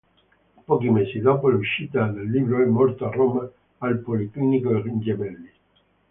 Pochi mesi dopo l'uscita del libro è morto a Roma al policlinico Gemelli.